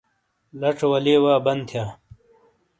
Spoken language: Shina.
لژے والے وا بن تھیا۔